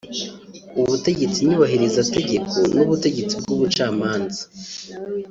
Ubutegetsi Nyubahirizategeko n’Ubutegetsi bw’Ubucamanza